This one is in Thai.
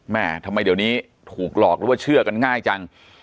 แม่ทำไมเดี๋ยวนี้ถูกหลอกหรือว่าเชื่อกันง่ายจัง